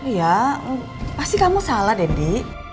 iya pasti kamu salah deddy